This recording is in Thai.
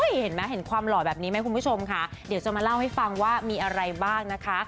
เห็นไหมเห็นความหล่อแบบนี้ไหมคุณผู้ชมค่ะเดี๋ยวจะมาเล่าให้ฟังว่ามีอะไรบ้างนะคะ